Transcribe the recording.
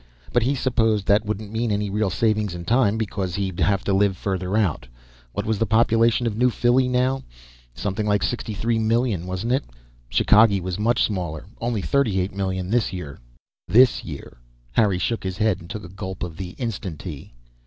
But he supposed that wouldn't mean any real saving in time, because he'd have to live further out. What was the population in New Philly now? Something like 63,000,000, wasn't it? Chicagee was much smaller only 38,000,000, this year. This year. Harry shook his head and took a gulp of the Instantea.